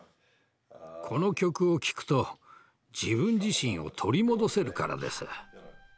この曲を聴くと自分自身を取り戻せるからです。